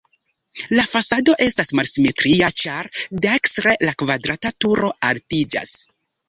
La fasado estas malsimetria, ĉar dekstre la kvadrata turo altiĝas.